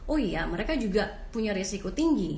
oh iya mereka juga punya resiko tinggi